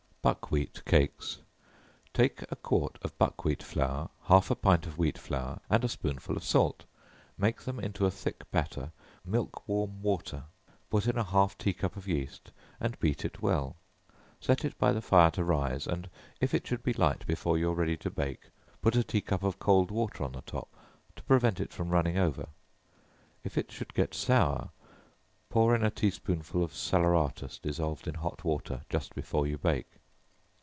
Buckwheat Cakes. Take quart of buckwheat flour, half a pint of wheat flour, and a spoonful of salt; make them into a thick batter, with milk warm water, put in a half tea cup of yeast, and beat it well, set it by the fire to rise, and if it should be light before you are ready to bake, put a tea cup of cold water on the top, to prevent it from running over, if it should get sour, pour in a tea spoonful of salaeratus, dissolved in hot water, just before you bake.